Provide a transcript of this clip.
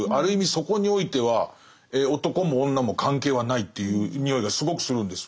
そこにおいては男も女も関係はないっていうにおいがすごくするんです。